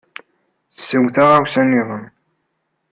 Sew taɣawsa niḍen.